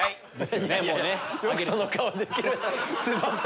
よくその顔できるな。